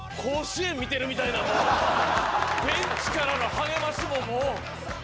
ベンチからの励ましももう。